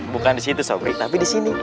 bukan disitu sobri tapi disini